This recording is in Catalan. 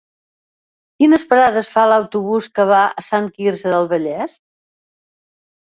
Quines parades fa l'autobús que va a Sant Quirze del Vallès?